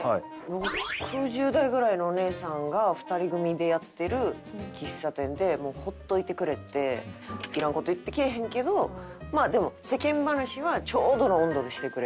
６０代ぐらいのお姉さんが２人組でやってる喫茶店でもうほっといてくれていらん事言ってけえへんけどまあでも世間話はちょうどの温度でしてくれるっていう。